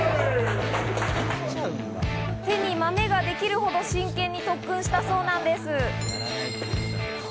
手にマメができるほど真剣に特訓したそうなんです。